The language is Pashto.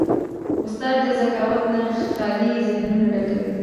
استاد د ذکاوت نه خالي ذهنونه ډکوي.